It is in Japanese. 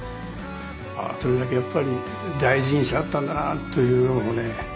それだけやっぱり大事にしはったんだなっというのをね